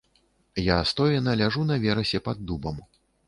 Я стоена ляжу на верасе пад дубам.